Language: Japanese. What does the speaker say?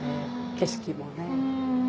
景色もね。